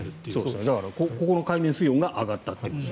ここの海面水温が上がったということです。